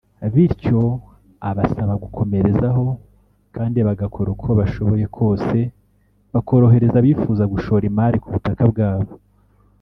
bityo abasaba gukomerezaho kandi bagakora uko bashoboye kose bakorohereza abifuza gushora imari ku butaka bwabo